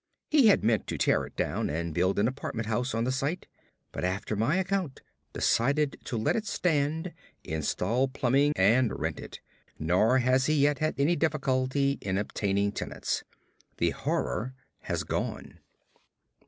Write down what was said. He had meant to tear it down and build an apartment house on the site, but after my account decided to let it stand, install plumbing, and rent it. Nor has he yet had any difficulty in obtaining tenants. The horror has gone.